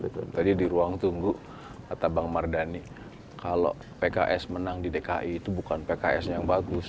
tadi di ruang tunggu kata bang mardhani kalau pks menang di dki itu bukan pks yang bagus